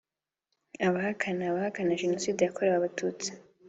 Abayihakana (abahakana Jenoside yakorewe abatutsi)